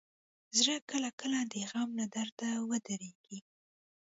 زړه کله کله د غم له درده ودریږي.